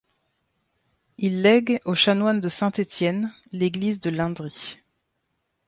Il lègue aux chanoines de Saint-Étienne l'église de Lindry.